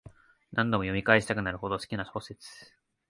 何度も読み返したくなるほど好きな小説